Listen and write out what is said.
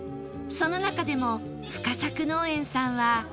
その中でも深作農園さんは